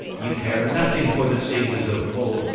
You care nothing for the sages of old.